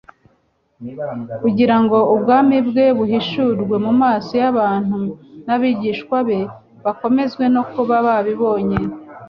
kugira ngo ubwami bwe buhishurwe mu maso y'abantu n'abigishwa be bakomezwe no kuba babibonye.